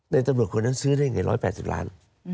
ตำรวจคนนั้นซื้อได้๑๘๐ล้าน